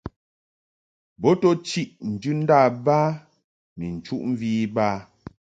Bo to chiʼ njɨndâ ba ni nchuʼmvi iba.